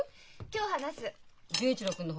今夜話す。